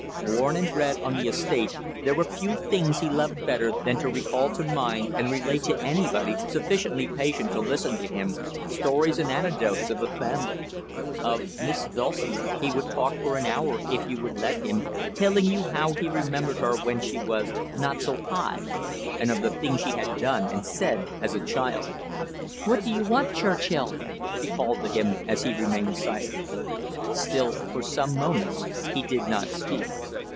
Born and bred on the estate, there were few things he loved better than to recall to mind, and relate to anybody sufficiently patient to listen to him, stories and anecdotes of the family. Of "Miss Dulcie" he would talk for an hour if you let him, telling you how he remembered her when she was "not so high," and of the things she had done and said as a child. "What do you want, Churchill?" she called to him, as he remained silent. Still for some moments he did not speak.